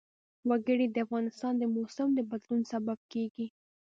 وګړي د افغانستان د موسم د بدلون سبب کېږي.